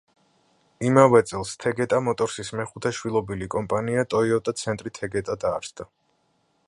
იმავე წელს „თეგეტა მოტორსის“ მეხუთე შვილობილი კომპანია, ტოიოტა ცენტრი თეგეტა დაარსდა.